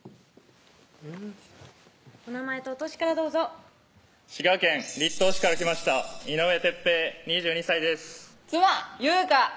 お名前とお歳からどうぞ滋賀県栗東市から来ました井上哲平２２歳です妻・優香！